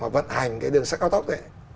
vận hành cái đường sắt cao tốc đấy